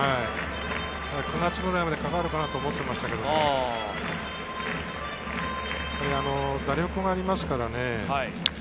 ９月ぐらいまでかかるのかなと思っていましたけど、打力がありますからね。